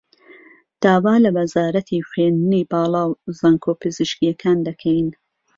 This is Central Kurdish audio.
داوا له وهزارهتی خوێندنی باڵا و زانکۆ پزیشکییهکان دهکهین